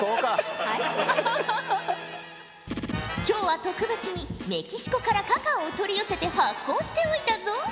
今日は特別にメキシコからカカオを取り寄せて発酵しておいたぞ。